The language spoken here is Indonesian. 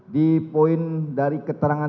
di poin dari keterangan